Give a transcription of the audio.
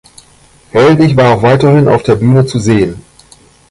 Helwig war auch weiterhin auf der Bühne zu sehen.